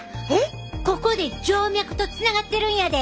ここで静脈とつながってるんやで！